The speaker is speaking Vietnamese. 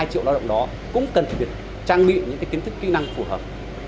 hai triệu lao động đó cũng cần phải được trang bị những cái kiến thức kỹ năng phù hợp